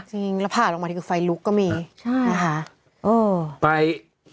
จริงแล้วผ่านออกมาที่คือไฟลุกก็มีใช่นะคะโอ้